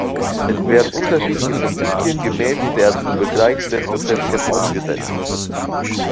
Es werden unterschiedliche Prinzipien gemäß der zu begleitenden Prozesskette umgesetzt.